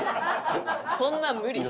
そんなん無理。